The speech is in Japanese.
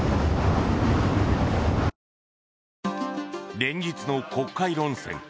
連日の国会論戦。